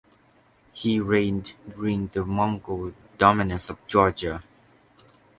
He reigned during the Mongol dominance of Georgia.